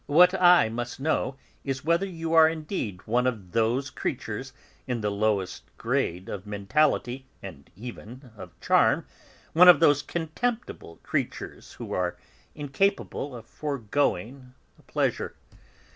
What I must know is whether you are indeed one of those creatures in the lowest grade of mentality and even of charm, one of those contemptible creatures who are incapable of foregoing a pleasure.